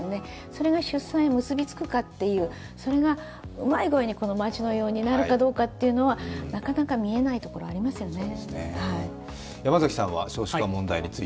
それが出産に結びつくかという、それがうまい具合に、この町のようになるかどうかというのはなかなか見えないところがありますよね。